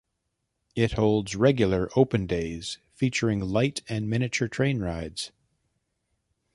It holds regular open days featuring light and miniature train rides.